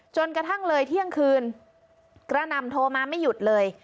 จนกระทั่งเลยเที่ยงคืนกระหน่ำโทรมาไม่หยุดเลย